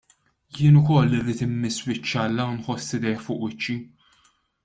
Jien ukoll irrid immiss wiċċ Alla u nħoss idejh fuq wiċċi.